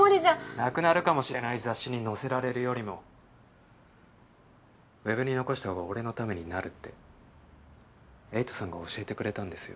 なくなるかもしれない雑誌に載せられるよりもＷＥＢに残したほうが俺のためになるってエイトさんが教えてくれたんですよ。